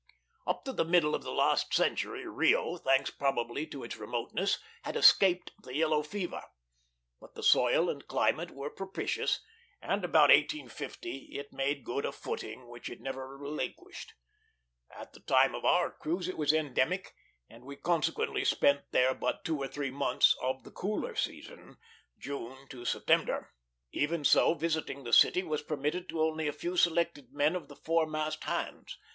Up to the middle of the last century, Rio, thanks probably to its remoteness, had escaped the yellow fever. But the soil and climate were propitious; and about 1850 it made good a footing which it never relinquished. At the time of our cruise it was endemic, and we consequently spent there but two or three months of the cooler season, June to September. Even so, visiting the city was permitted to only a few selected men of the foremast hands.